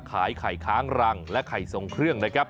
ขายไข่ค้างรังและไข่ทรงเครื่องนะครับ